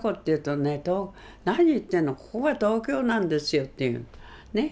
「何言ってんのここが東京なんですよ」って言うのね。